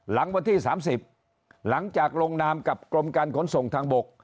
หลังวันที่๓๐หลังจากลงนามกับกรมการขนส่งทางบก